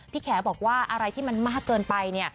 แขบอกว่าอะไรที่มันมากเกินไปเนี่ย